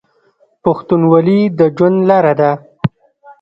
پښتونولي د ژوند لاره ده.